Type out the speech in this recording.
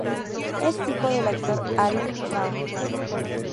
Es hijo del actor Allen Chao.